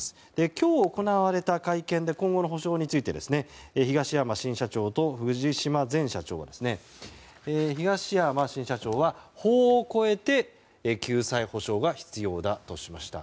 今日、行われた会見で今後の補償について東山新社長は法を超えて救済・補償が必要だとしました。